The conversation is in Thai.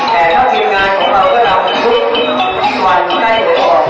แต่ถ้ามีงานของเราก็รับคุณทุกวันใกล้หรือออก